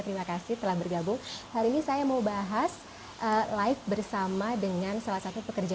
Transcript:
terima kasih telah bergabung hari ini saya mau bahas live bersama dengan salah satu pekerja